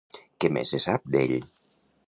Què més se sap d'ell?